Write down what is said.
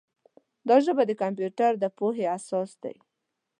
دا ژبه د کمپیوټر د پوهې اساس دی.